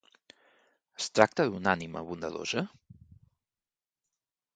Es tracta d'una ànima bondadosa?